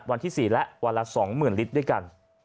วันที่สี่ละวันละสองหมื่นลิตรด้วยกัน